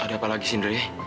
ada apa lagi sindri